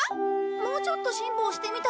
もうちょっと辛抱してみたら？